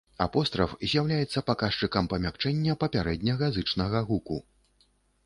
Апостраф з'яўляецца паказчыкам памякчэння папярэдняга зычнага гуку.